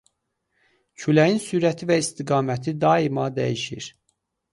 Küləyin sürəti və istiqaməti daima dəyişir.